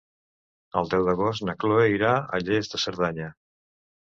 El deu d'agost na Chloé irà a Lles de Cerdanya.